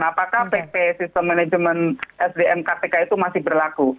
apakah pp system management sdm kpk itu masih berlaku